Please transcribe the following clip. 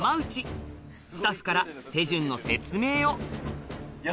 スタッフから手順の説明をはい。